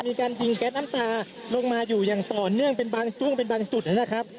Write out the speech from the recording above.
มีการยิงแก๊สน้ำตาลงมาอยู่อย่างต่อเนื่องเป็นบางช่วงเป็นบางจุดนะครับ